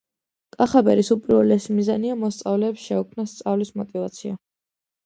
კახაბერის უპირველესი მიზანია მოსწავლეებს შეუქმნას სწავლის მოტივაცია